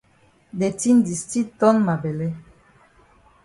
De tin di still ton ma bele.